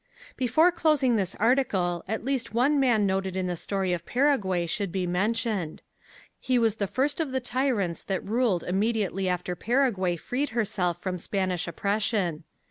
Before closing this article at least one man noted in the story of Paraguay should be mentioned. He was the first of the tyrants that ruled immediately after Paraguay freed herself from Spanish oppression.